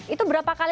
itu berapa kalinya